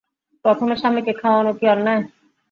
প্রথমে স্বামীকে খাওয়ানো কি অন্যায়?